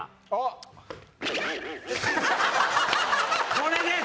これです。